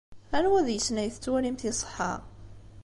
Anwa deg-sen ay tettwalimt iṣeḥḥa?